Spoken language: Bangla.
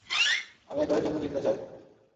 আমি একবারের জন্য জিততে চাই!